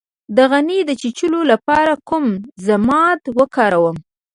د غڼې د چیچلو لپاره کوم ضماد وکاروم؟